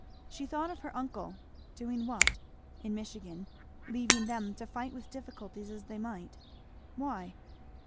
She thought of her uncle, doing what? in Michigan, leaving them to fight with difficulties as they might, why?